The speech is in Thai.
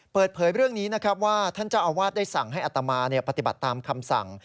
เปิดเผยเรื่องนี้นะครับว่าท่านเจ้าอาวาสได้สั่งให้อัตมาปฏิบัติตามคำสั่ง